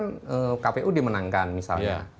sengketa ke bawaslu kan kpu dimenangkan misalnya